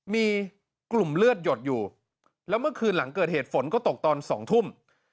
มีกลุ่มเลือดหยดอยู่แล้วเมื่อคืนหลังเกิดเหตุฝนก็ตกตอน๒ทุ่ม